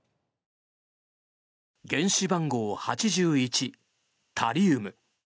原子番号８１、タリウム。